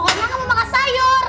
pokoknya kamu makan sayur